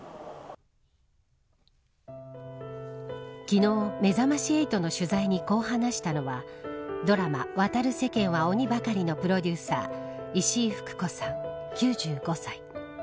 昨日、めざまし８の取材にこう話したのはドラマ、渡る世間は鬼ばかりのプロデューサー石井ふく子さん、９５歳。